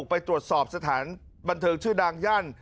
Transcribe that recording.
ไปตรวจสอบสถานบันเทิงชื่อดังย่าน